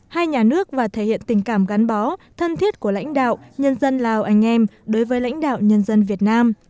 hai nhà nước và thể hiện tình cảm gắn bó thân thiết của lãnh đạo nhân dân lào anh em đối với lãnh đạo nhân dân việt nam